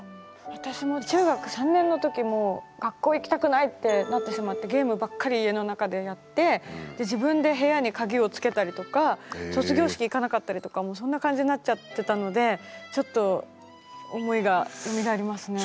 私も中学３年の時もう学校行きたくないってなってしまってゲームばっかり家の中でやってで自分で部屋に鍵をつけたりとか卒業式行かなかったりとかもうそんな感じになっちゃってたのでちょっと思いがよみがえりますね。